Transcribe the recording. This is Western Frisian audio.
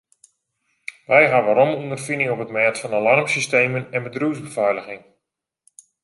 Wy hawwe romme ûnderfining op it mêd fan alarmsystemen en bedriuwsbefeiliging.